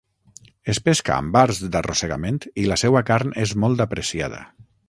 Es pesca amb arts d'arrossegament i la seua carn és molt apreciada.